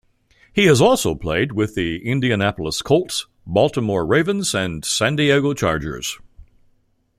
He has also played with the Indianapolis Colts, Baltimore Ravens and San Diego Chargers.